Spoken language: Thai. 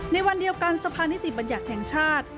ในวันเดียวกันสะพานิติบัญญัติแห่งชาติ